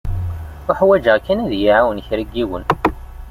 Uḥwaǧeɣ kan ad yi-iɛawen kra n yiwen.